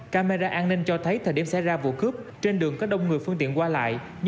camera an ninh cho thấy thời điểm xảy ra vụ cướp trên đường có đông người phương tiện qua lại